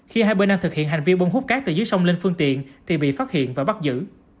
khi hai bên đang thực hiện hành vi bơm hút cát từ dưới sông lên phương tiện thì bị phát hiện và bắt giữ